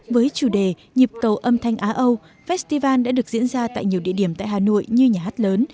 với chủ đề nhịp cầu âm thanh á âu festival đã được diễn ra tại nhiều địa điểm tại hà nội như nhà hát lớn